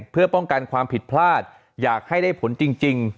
เพื่อป้องกันความผิดพลาดอยากให้ได้ผลจริง